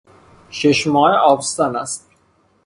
ششماهه آبستن است.